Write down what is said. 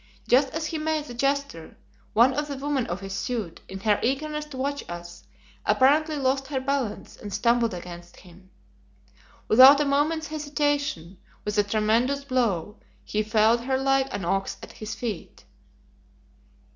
Just as he made the gesture one of the women of his suite, in her eagerness to watch us, apparently lost her balance and stumbled against him. Without a moment's hesitation, with a tremendous blow, he felled her like an ox at his feet.